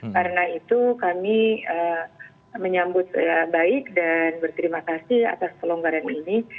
karena itu kami menyambut baik dan berterima kasih atas kelonggaran ini